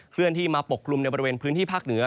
เลื่อนที่มาปกกลุ่มในบริเวณพื้นที่ภาคเหนือ